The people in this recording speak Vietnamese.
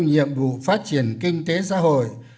nhiệm vụ phát triển kinh tế xã hội